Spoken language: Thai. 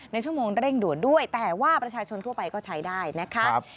ในชั่วโมงเร่งด่วนด้วยแต่ว่าประชาชนทั่วไปก็ใช้ได้นะคะ